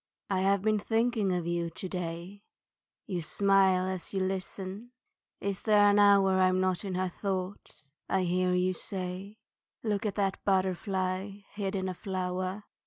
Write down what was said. I have been thinking of you to day, You smile as you listen. Is there an hour I'm not in her thoughts, I hear you say Look at that butterfly hid in a flower.